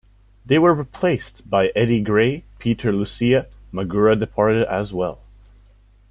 They were replaced by Eddie Gray and Peter Lucia; Magura departed as well.